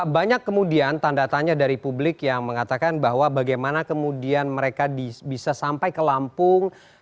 banyak kemudian tanda tanya dari publik yang mengatakan bahwa bagaimana kemudian mereka bisa sampai ke lampung